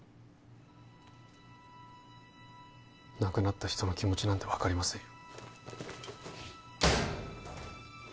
亡くなった人の気持ちなんて分かりませんよ